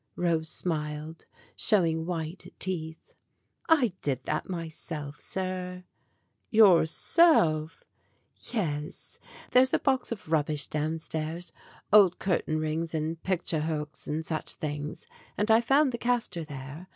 Rose smiled, showing white teeth. "I did that my self, sir." "Yourself?" "Yes; there's a box of rubbish downstairs old curtain rings and picture hooks and such things, and I found the castor there.